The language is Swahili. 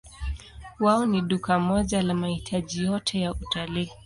Wao ni duka moja la mahitaji yote ya utalii.